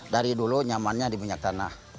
dari dulu nyamannya di minyak tanah